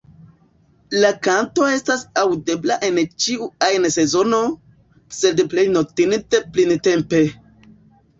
La kanto estas aŭdebla en ĉiu ajn sezono, sed plej notinde printempe.